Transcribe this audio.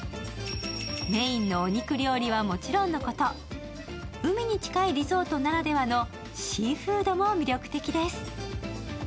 メインのお肉料理はもちろんのこと、海に近いリゾートならではのシーフードも魅力的です。